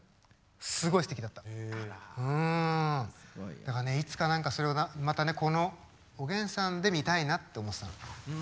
だからねいつか何かそれをまたねこの「おげんさん」で見たいなって思ってたの。